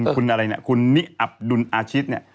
คุณนิอับดุลอาชิตเนี่ย